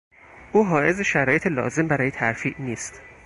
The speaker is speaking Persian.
او حایز شرایط لازم برای ترفیع نیست.